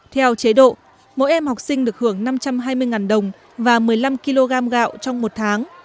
theo chế độ mỗi em học sinh được hưởng năm trăm hai mươi đồng và một mươi năm kg gạo trong một tháng